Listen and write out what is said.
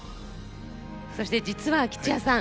そして実は喜千也さん